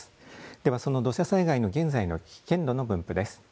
ではその土砂災害の現在の危険度の分布です。